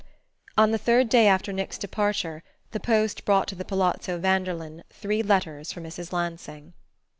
On the third day after Nick's departure the post brought to the Palazzo Vanderlyn three letters for Mrs. Lansing.